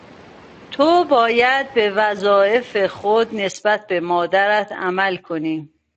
تو باید به وظایف خود نسبت به مادرت عمل کنی.